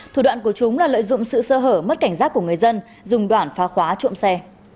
thủ đoạn của chúng là lợi dụng sự sơ hở mất cảnh giác của người dân dùng đoạn phá khóa trộm xe